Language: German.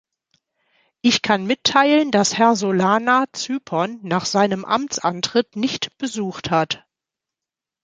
Ich kann mitteilen, dass Herr Solana Zypern nach seinem Amtsantritt nicht besucht hat.